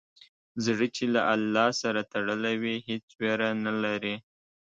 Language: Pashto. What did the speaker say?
زړه چې له الله سره تړلی وي، هېڅ ویره نه لري.